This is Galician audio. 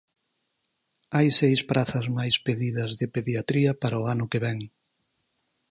Hai seis prazas máis pedidas de Pediatría para o ano que vén.